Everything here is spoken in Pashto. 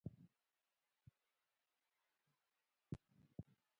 هغې له خپل ځايه هېڅ ټکان نه خوړ.